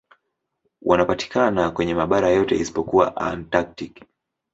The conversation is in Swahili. Wanapatikana kwenye mabara yote isipokuwa Antaktiki.